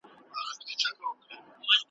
دا یو وصیت لرمه قبلوې یې او که نه .